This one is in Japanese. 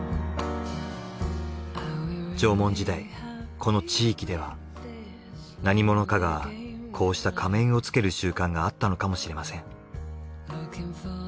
縄文時代この地域では何者かがこうした仮面をつける習慣があったのかもしれません。